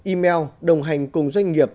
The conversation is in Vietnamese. email đồng hành cùng doanh nghiệp